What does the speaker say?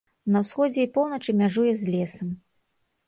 На ўсходзе і поўначы мяжуе з лесам.